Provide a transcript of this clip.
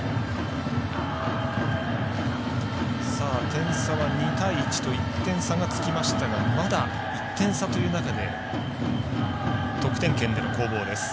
点差は２対１と１点差がつきましたがまだ１点差という中で得点圏での攻防です。